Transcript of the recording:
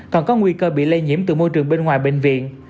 còn có nguy cơ bị lây nhiễm từ môi trường bên ngoài bệnh viện